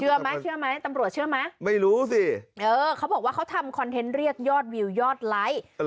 เชื่อไหมตำรวจเชื่อไหมไม่รู้สิเออเขาบอกว่าเขาทำคอนเทนต์เรียกยอดวิวยอดไลค์